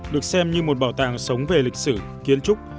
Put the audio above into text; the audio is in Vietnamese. được xem như một bảo tàng sống về lịch sử kiến trúc